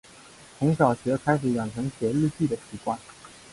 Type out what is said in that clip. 从小学开始养成写日记的习惯